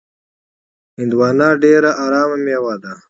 هندوانه ډېره ارامه میوه ده.